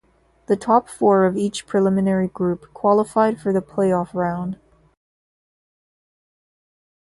The top four of each preliminary group qualified for the playoff round.